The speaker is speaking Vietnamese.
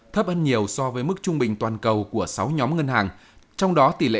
thấp hơn nhiều so với mức trung bình toàn cầu của sáu nhóm ngân hàng